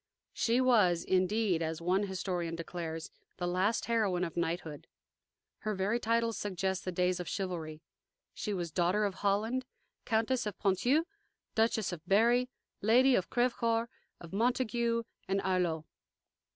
She was, indeed, as one historian declares, the last heroine of knighthood. Her very titles suggest the days of chivalry. She was Daughter of Holland, Countess of Ponthieu, Duchess of Berry, Lady of Crevecoeur, of Montague and Arloeux.